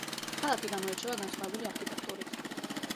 ქალაქი გამოირჩევა განსხვავებული არქიტექტურით.